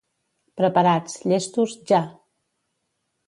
Preparats, llestos, ja!